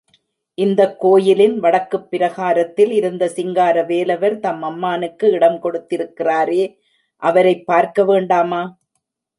இந்தக் கோயிலின் வடக்குப் பிரகாரத்தில் இருந்த சிங்கார வேலவர் தம் அம்மானுக்கு இடம் கொடுத்திருக்கிறாரே, அவரைப் பார்க்க வேண்டாமா?